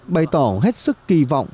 bày tỏ hết sức kỳ vọng